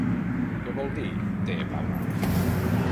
Què vol dir Te Papa?